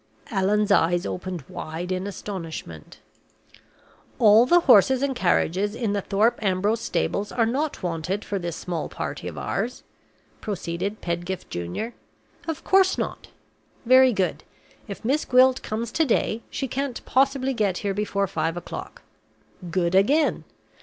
Allan's eyes opened wide in astonishment. "All the horses and carriages in the Thorpe Ambrose stables are not wanted for this small party of ours," proceeded Pedgift Junior. "Of course not! Very good. If Miss Gwilt comes to day, she can't possibly get here before five o'clock. Good again.